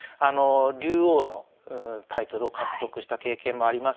竜王のタイトルを獲得した経験もあります